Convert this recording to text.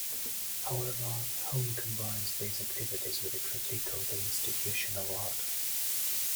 However, Home combines these activities with a critique of the institution of art.